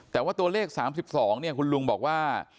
แต่ว่าตัวเลข๓๒คุณลุงบอกว่า